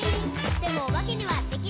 「でもおばけにはできない。」